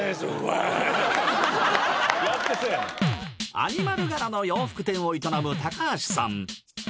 アニマル柄の洋服店を営む高橋さん